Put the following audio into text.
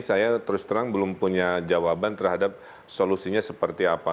saya terus terang belum punya jawaban terhadap solusinya seperti apa